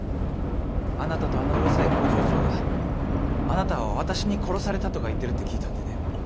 あなたとあのうるさい工場長があなたは私に殺されたとか言ってるって聞いたんでね。